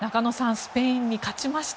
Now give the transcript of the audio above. スペインに勝ちました。